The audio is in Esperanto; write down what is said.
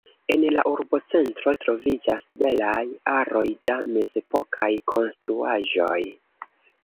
En la urbocentro troviĝas belaj aroj da mezepokaj konstruaĵoj.